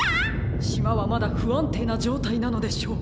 しまはまだふあんていなじょうたいなのでしょう。